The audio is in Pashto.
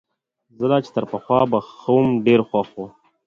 زه لا چي تر پخوا به ښه وم، ډېر خوښ وو.